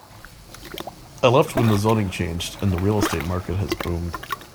I left when the zoning changed and the real estate market has boomed.